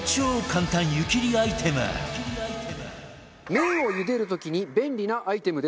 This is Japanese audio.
麺を茹でる時に便利なアイテムです。